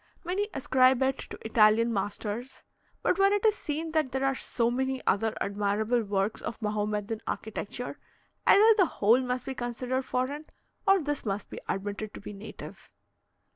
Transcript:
Many ascribe it to Italian masters; but when it is seen that there are so many other admirable works of Mahomedan architecture, either the whole must be considered foreign or this must be admitted to be native.